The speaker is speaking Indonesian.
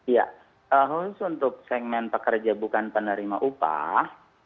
ya khusus untuk segmen pekerja bukan penerima upah